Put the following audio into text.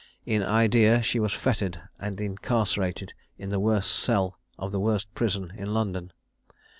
In idea she was fettered and incarcerated in the worst cell of the worst prison in London.